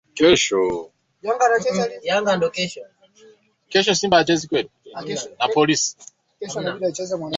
ubaliana kuwa na serikali ya umoja wa kitaifa